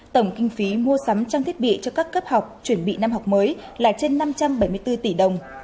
tổng kinh phí mua sắm trang thiết bị cho các cấp học chuẩn bị năm học mới là trên năm trăm bảy mươi bốn tỷ đồng